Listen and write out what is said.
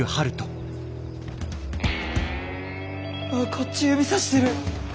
こっち指さしてる！